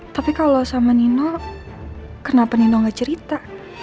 tapi kalau sama nino kenapa nino nggak cerita